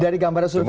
dari gambaran survei